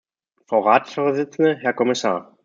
Frau Ratsvorsitzende, Herr Kommissar!